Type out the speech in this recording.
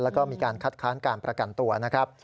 แล้วก็มีการคัดค้านการประกันตัวนะครับ